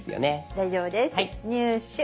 大丈夫です「入手」。